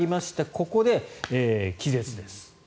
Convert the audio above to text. ここで気絶です。